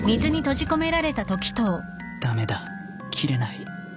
駄目だ斬れない